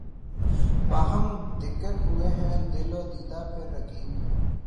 باہم دِکر ہوئے ہیں دل و دیده پهر رقیب